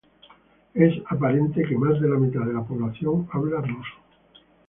Es" "aparente que más de la mitad de la población habla" "rusa.